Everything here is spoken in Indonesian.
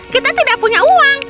kita tidak punya uang